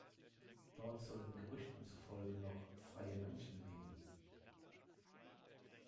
Dort sollen Gerüchten zufolge noch „freie Menschen“ leben.